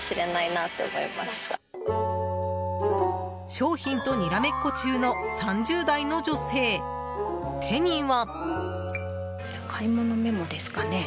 商品とにらめっこ中の３０代の女性、手には。